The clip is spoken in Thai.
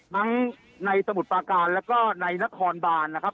ในสมุทรปาการแล้วก็ในนครบานนะครับ